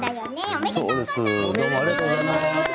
ありがとうございます。